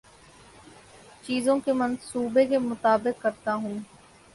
چیزوں کے منصوبے کے مطابق کرتا ہوں